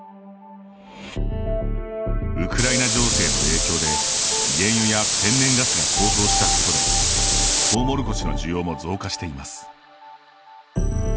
ウクライナ情勢の影響で原油や天然ガスが高騰したことでトウモロコシの需要も増加しています。